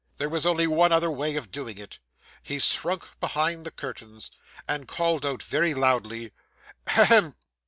There was only one other way of doing it. He shrunk behind the curtains, and called out very loudly 'Ha hum!